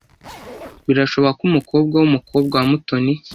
Birashoboka ko umukobwa wumukobwa wa Mutoni.